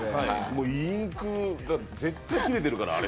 もうインクが絶対切れてるからあれ。